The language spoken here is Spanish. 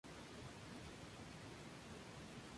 Por lo general, no trabaja bien con los demás.